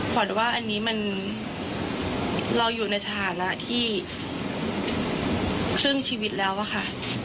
ว่าอันนี้มันเราอยู่ในสถานะที่ครึ่งชีวิตแล้วอะค่ะ